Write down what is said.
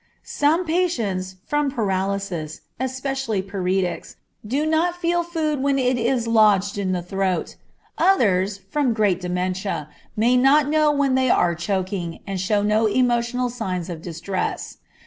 Some patients, from paralysis, especially paretics, do not feel food when it is lodged in the throat; others, from great dementia, may not know when they are choking, and show no emotional signs of distress.